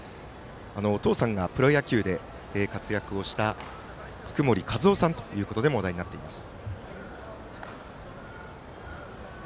お父さんがプロ野球で活躍をした福盛和男さんということでも話題になっています。